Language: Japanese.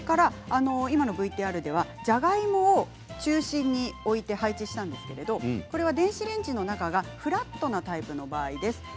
今のＶＴＲでは、じゃがいもを中心に置いて配置したんですけどこれは電子レンジの中がフラットなタイプの場合です。